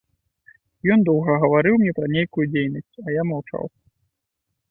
Ён доўга гаварыў мне пра нейкую дзейнасць, а я маўчаў.